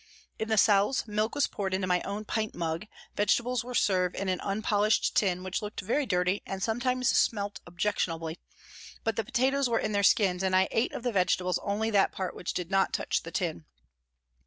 In the cells, milk was poured into my own pint mug, vegetables were served in an unpolished tin which looked very dirty and sometimes smelt objectionably, but the potatoes were in their skins and I ate of the vegetables only that part which did not touch the tin.